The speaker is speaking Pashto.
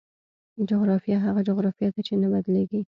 جغرافیه هغه جغرافیه ده چې نه بدلېږي.